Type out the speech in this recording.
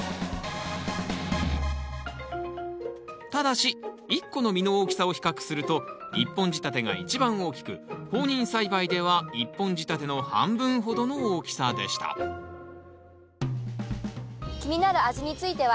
ただし１個の実の大きさを比較すると１本仕立てが一番大きく放任栽培では１本仕立ての半分ほどの大きさでした気になる味については？